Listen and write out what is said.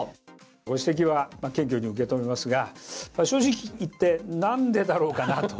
ご指摘は謙虚に受け止めますが、正直言って、なんでだろうかなと。